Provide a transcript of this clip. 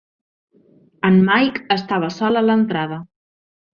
En Mike estava sol a l'entrada.